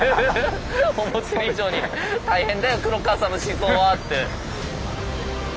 「思ってる以上に大変だよ黒川さんの思想は」って。